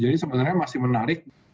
jadi sebenarnya masih menarik